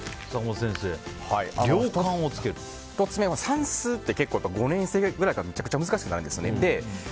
算数って５年生くらいからめちゃくちゃ難しくなるんですね。